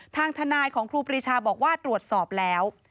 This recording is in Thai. ทางทนายของครูปรีชาบอกว่าตรวจสอบแล้ว